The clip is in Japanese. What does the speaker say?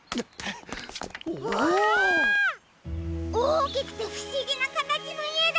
おおきくてふしぎなかたちのいえだ！